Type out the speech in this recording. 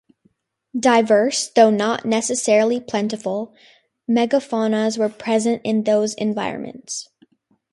Diverse, though not necessarily plentiful, megafaunas were present in those environments.